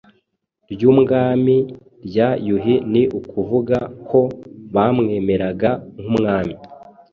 ryubwami rya Yuhi, ni ukuvuga ko bamwemeraga nk’umwami